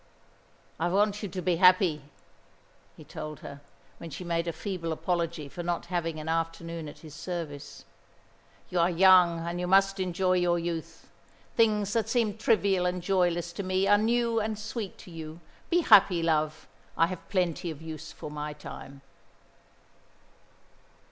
"I want you to be happy," he told her, when she made a feeble apology for not having an afternoon at his service. "You are young, and you must enjoy your youth. Things that seem trivial and joyless to me are new and sweet to you. Be happy, love. I have plenty of use for my time."